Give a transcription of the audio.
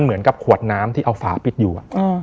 เหมือนกับขวดน้ำที่เอาฝาปิดอยู่